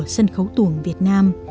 sân khấu tuổng việt nam